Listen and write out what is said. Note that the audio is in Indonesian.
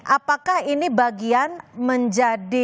apakah ini bagian menjadi